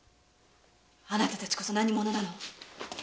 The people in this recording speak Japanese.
あなたたちこそ何者なの？